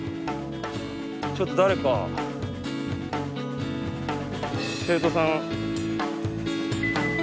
ちょっと誰か生徒さん。